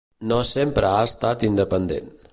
No sempre ha estat independent.